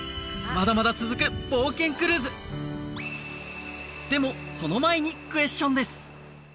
まだまだ続く冒険クルーズでもその前にクエスチョンです